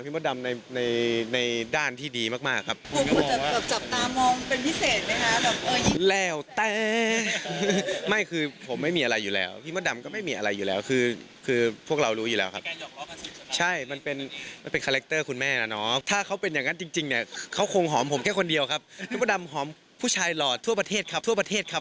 เพราะฉะนั้นอ่ะเพราะฉะนั้นคือรู้จักพี่มดดำในในในด้านที่ดีมากมากครับ